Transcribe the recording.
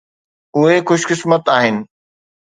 اهي خوش قسمت آهن.